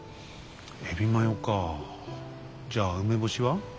エビマヨかあじゃあ梅干しは？